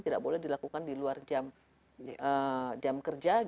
tidak boleh dilakukan di luar jam kerja